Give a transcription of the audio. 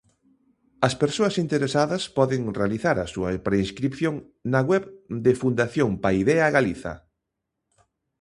As persoas interesadas poden realizar a súa preinscrición na web de Fundación Paideia Galiza.